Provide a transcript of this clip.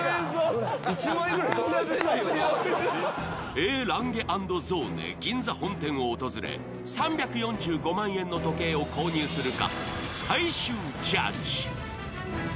Ａ．ランゲ＆ゾーネ銀座本店を訪れ３４５万円の時計を購入するか最終ジャッジ。